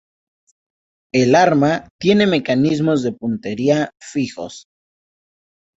El arma tiene mecanismos de puntería fijos.